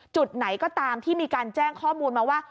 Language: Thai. จุดไหนก็ตามที่มีการแจ้งข้อมูลมาว่า